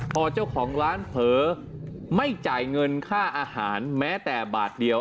พอเจ้าของร้านเผลอไม่จ่ายเงินค่าอาหารแม้แต่บาทเดียว